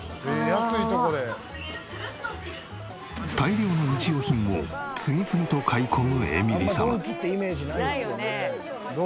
大量の日用品を次々と買い込むエミリさん。